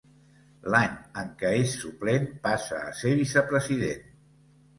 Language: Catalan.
L'any en què és suplent passa a ser vicepresident.